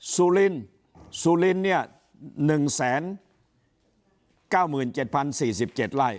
ซูลินซูลินเนี้ยหนึ่งแสนเก้าหมื่นเจ็ดพันสี่สิบเจ็ดไร่